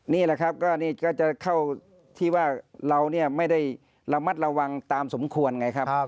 นี่แหละครับก็นี่ก็จะเข้าที่ว่าเราไม่ได้ระมัดระวังตามสมควรไงครับ